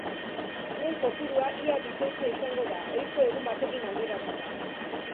Tren kopurua ia bikoitza izango da, ohiko egun batekin alderatuta.